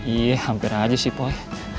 iya hampir aja sih poi